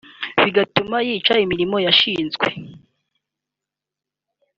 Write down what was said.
bigatuma yica imirimo yashinzwe